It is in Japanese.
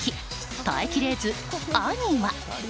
耐え切れず兄は。